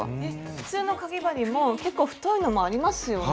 普通のかぎ針も結構太いのもありますよね。